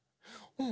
うん！